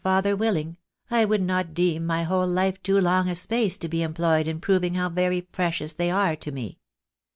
329 father willing, I would not deem my whole life too long a space to be employed in proving how very precious they are to me.